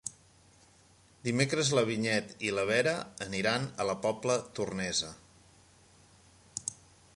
Dimecres na Vinyet i na Vera aniran a la Pobla Tornesa.